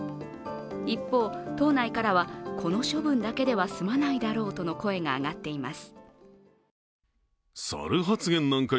一方、党内からは、この処分だけでは済まないだろうとの声が上がっています。